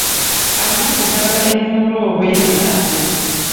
Alina ku ddagala erivumula obwenzi antaase.